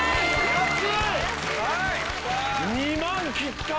安い！